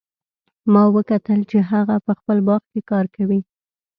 ما وکتل چې هغه په خپل باغ کې کار کوي